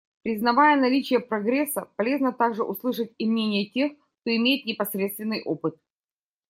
Признавая наличие прогресса, полезно также услышать и мнение тех, кто имеет непосредственный опыт.